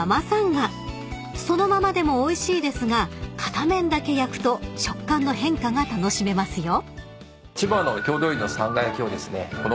［そのままでもおいしいですが片面だけ焼くと食感の変化が楽しめますよ］